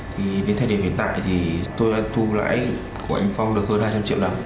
thì đến thời điểm hiện tại thì tôi đã thu lãi của anh phong được hơn hai trăm linh triệu đồng